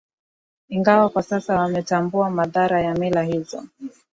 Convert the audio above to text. ingawa kwa sasa wametambua madhara ya mila hizo